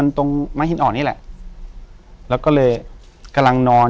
อยู่ที่แม่ศรีวิรัยิลครับ